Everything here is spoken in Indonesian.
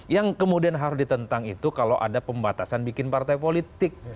yang kemudian harus ditentang itu kalau ada pembatasan bikin partai politik